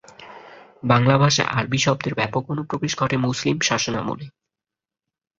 বাংলা ভাষায় আরবি শব্দের ব্যাপক অনুপ্রবেশ ঘটে মুসলিম শাসনামলে।